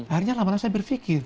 akhirnya lama lama saya berpikir